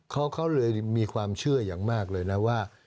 เขาเลยมีความเชื่ออย่างมากเลยนะว่า